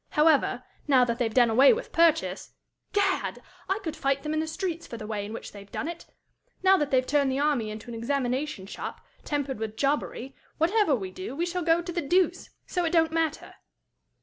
However, now that they've done away with purchase Gad! I could fight them in the streets for the way in which they've done it! now that they've turned the army into an examination shop, tempered with jobbery, whatever we do, we shall go to the deuce. So it don't matter."